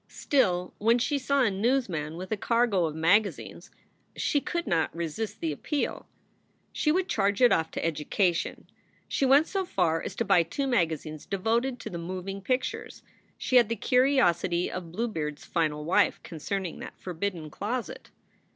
Still, when she saw a newsman with a cargo of magazines, she could not resist the appeal. She would charge it off to education. She went so far as to buy two magazines devoted to the moving pictures. She had the curiosity of Blue beard s final wife concerning that forbidden closet.